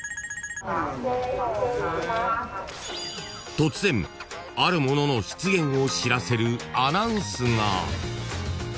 ［突然あるものの出現を知らせるアナウンスが］